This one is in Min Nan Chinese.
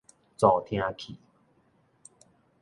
助聽器